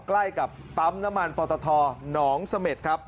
ใกล้กับปั๊มน้ำมันปตทหนองเสม็ดครับ